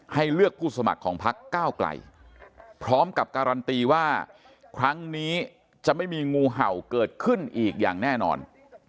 ให้เลือกผู้สมัครของพักก้าวไกลพร้อมกับการันตีว่าครั้งนี้จะไม่มีงูเห่าเกิดขึ้นอีกอย่างแน่นอน